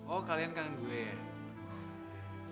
oh kalian kangen gue